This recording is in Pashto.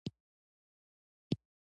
طلا د افغانستان د طبیعت برخه ده.